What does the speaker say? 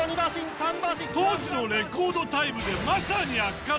３馬身」当時のレコードタイムでまさに。